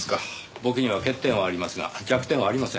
僕には欠点はありますが弱点はありません。